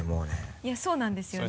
いやそうなんですよね。